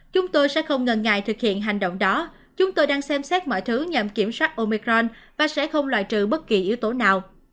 chúng tôi sẽ không ngần ngại thực hiện hành động đó chúng tôi đang xem xét mọi thứ nhằm kiểm soát omicron và sẽ không loại trừ bất kỳ yếu tố nào